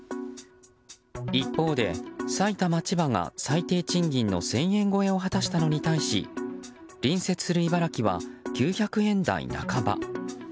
一方で埼玉、千葉が最低賃金の１０００円超えを果たしたのに対し隣接する茨城は９００円台半ば。